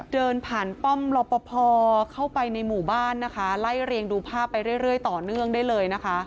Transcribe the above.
เดินผ่านป้อมรอปภเข้าไปในหมู่บ้านนะคะไล่เรียงดูภาพไปเรื่อยต่อเนื่องได้เลยนะคะ